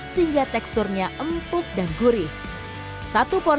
sehingga teksturnya bisa dikocok